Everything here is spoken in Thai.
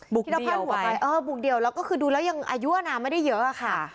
บุกเดียวไปบุกเดียวแล้วก็คือดูแล้วยังอายุอาณาไม่ได้เยอะอะค่ะ